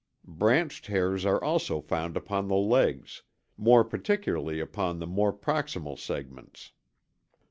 Branched hairs are also found upon the legs; more particularly upon the more proximal segments.